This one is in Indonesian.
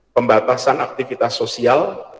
pembatasan aktivitas sosial